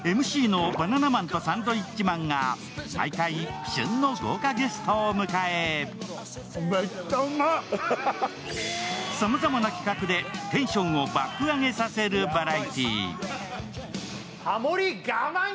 ＭＣのバナナマンとサンドウィッチマンが毎回、旬の豪華ゲストを迎え、さまざまな企画でテンションを爆上げさせるバラエティー。